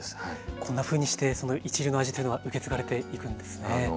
こんなふうにして一流の味というのは受け継がれていくんですね。